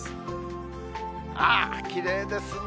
ああ、きれいですね。